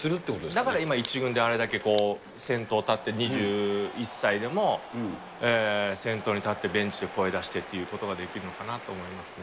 だから今、１軍であれだけ先頭立って２１歳でも先頭に立って、ベンチで声出してってことができるのかなと思いますね。